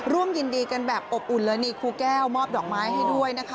ร่วมยินดีกันแบบอบอุ่นเลยนี่ครูแก้วมอบดอกไม้ให้ด้วยนะคะ